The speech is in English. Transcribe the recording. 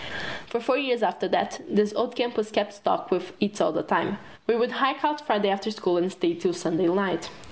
For four years after that, this old camp was kept stocked with eats all the time. We would hike out Friday after school and stay till Sunday night.